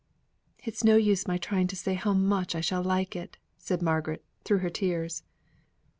"It's no use my trying to say how much I shall like it," said Margaret, through her tears.